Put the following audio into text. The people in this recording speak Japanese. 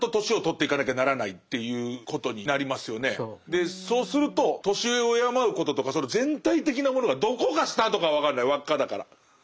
でそうすると年上を敬うこととかその全体的なものがどこがスタートかは分かんない輪っかだから。